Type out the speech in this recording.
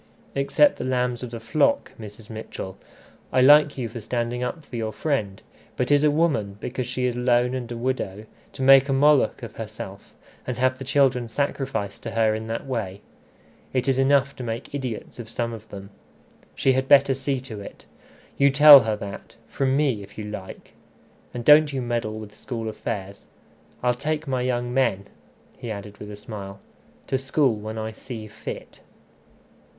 "Except the lambs of the flock, Mrs. Mitchell. I like you for standing up for your friend; but is a woman, because she is lone and a widow, to make a Moloch of herself, and have the children sacrificed to her in that way? It's enough to make idiots of some of them. She had better see to it. You tell her that from me, if you like. And don't you meddle with school affairs. I'll take my young men," he added with a smile, "to school when I see fit."